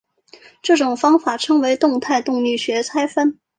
这种方法称为动态动力学拆分。